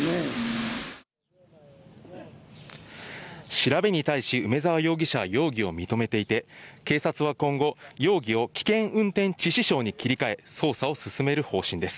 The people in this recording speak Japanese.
調べに対し梅沢容疑者は容疑を認めていて、警察は今後、容疑を危険運転致死傷に切り替え、捜査を進める方針です。